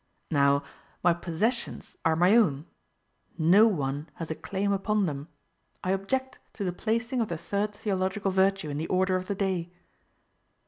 Now, my possessions are my own; no one has a claim upon them: I object to the placing of the third theological virtue in the order of the day.